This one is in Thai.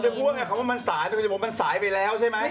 คุณจะพูดกับเขาว่ามันสายแต่คุณจะบอกว่ามันสายไปแล้วใช่ไหม